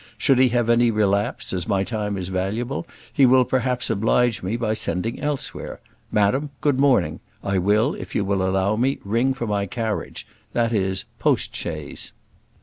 Should he have any relapse, as my time is valuable, he will perhaps oblige me by sending elsewhere. Madam, good morning. I will, if you will allow me, ring for my carriage that is, post chaise."